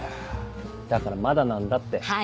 だからまだなんだって。